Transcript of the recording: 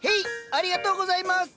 ありがとうございます。